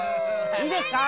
いいですか？